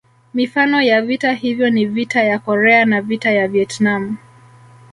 Mifano ya vita hivyo ni Vita ya Korea na Vita ya Vietnam